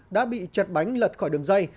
đã bị chật bánh lật khỏi đường dây